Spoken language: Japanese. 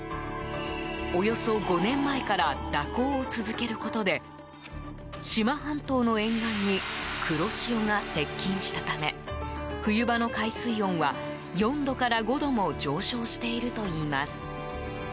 およそ５年前から蛇行を続けることで志摩半島の沿岸に黒潮が接近したため冬場の海水温は、４度から５度も上昇しているといいます。